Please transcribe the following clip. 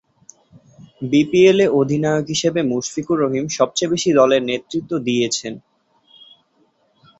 বিপিএল-এ অধিনায়ক হিসেবে মুশফিকুর রহিম সবচেয়ে বেশি দলের নেতৃত্ব দিয়েছেন।